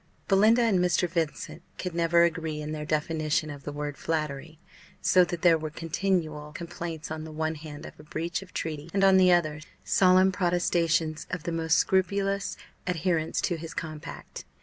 Belinda and Mr. Vincent could never agree in their definition of the word flattery; so that there were continual complaints on the one hand of a breach of treaty, and, on the other, solemn protestations of the most scrupulous adherence to his compact.